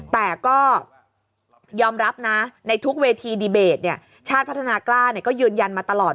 แต่ก็ยอมรับนะในทุกเวทีดีเบตชาติพัฒนากล้าก็ยืนยันมาตลอด